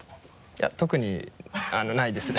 いや特にないですね。